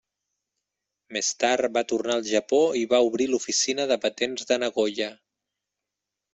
Més tard va tornar al Japó i va obrir l'oficina de patents de Nagoya.